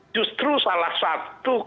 justru salah satu